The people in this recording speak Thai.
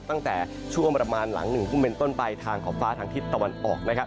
ตั้งแต่ช่วงประมาณหลัง๑ทุ่มเป็นต้นไปทางขอบฟ้าทางทิศตะวันออกนะครับ